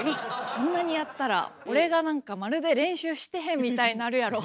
「そんなにやったら俺がなんかまるで練習してへんみたいになるやろ」。